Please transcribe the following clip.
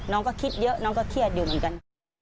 น้องก็คิดเยอะน้องก็เครียดอยู่เหมือนกัน